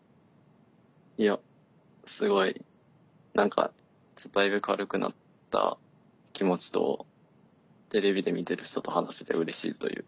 いやすごい何かだいぶ軽くなった気持ちとテレビで見てる人と話せてうれしいという。